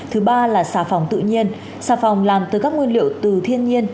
thứ ba là xà phòng tự nhiên xà phòng làm từ các nguyên liệu từ thiên nhiên